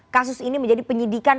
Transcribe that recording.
kasus ini menjadi penyidikan